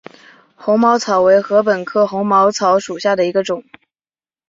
红毛草为禾本科红毛草属下的一个种。